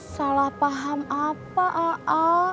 salah paham apa a'a